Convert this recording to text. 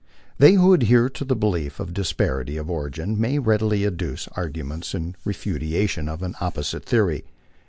They who adhere to the belief of disparity of origin may readily adduce arguments in refutation of an opposite theory.